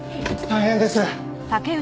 大変です！